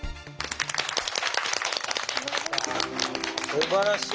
すばらしい！